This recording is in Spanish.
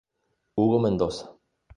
Hugo Mendoza.